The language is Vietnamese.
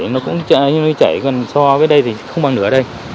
nó cũng như nuôi chảy gần so với đây thì không bằng nửa đây